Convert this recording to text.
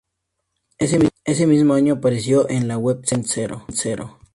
Ese mismo año apareció en la webserie "Event Zero".